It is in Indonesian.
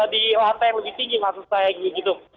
di lantai yang lebih tinggi maksud saya gitu